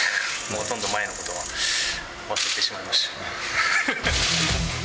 もうほとんど前のことは忘れてしまいました。